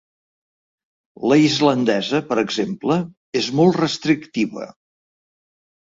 La islandesa, per exemple, és molt restrictiva.